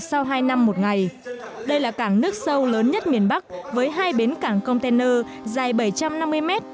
sau hai năm một ngày đây là cảng nước sâu lớn nhất miền bắc với hai bến cảng container dài bảy trăm năm mươi mét